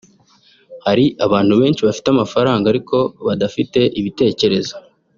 Hari abantu benshi bafite amafaranga ariko badafite ibitekerezo